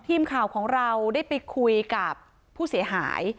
ทีมข่าวของเราได้ไปคุยกับผู้เสียหาย